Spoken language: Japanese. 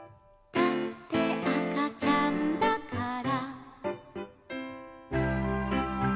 「だってあかちゃんだから」